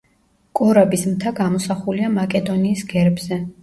კორაბის მთა გამოსახულია მაკედონიის გერბზე.